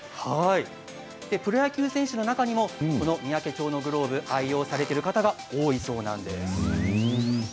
プロ野球選手の中にもこの三宅町のグローブを愛用されている方が多いそうなんです。